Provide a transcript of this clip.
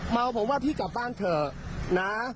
เมาผมว่าพี่กลับบ้านเถอะนะ